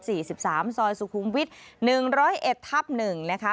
ซอยสุคุมวิทย์๑๐๑ทับ๑นะคะ